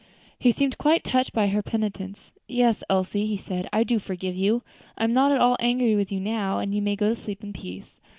He seemed quite touched by her penitence. "Yes, Elsie," he said, "I do forgive you. I am not at all angry with you now, and you may go to sleep in peace.